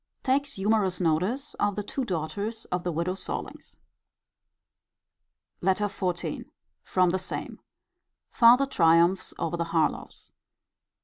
Takes humourous notice of the two daughters of the widow Sorlings. LETTER XIV. From the same. Farther triumphs over the Harlowes.